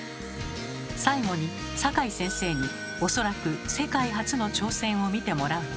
最後に坂井先生におそらく世界初の挑戦を見てもらうと。